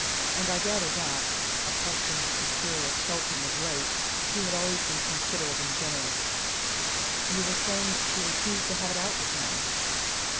And I gather that, apart from this mysterious sulking of late, he had always been considerate and generous." "You were saying that she refused to have it out with him."